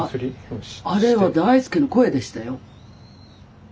いやあれは大輔の声でしたよ。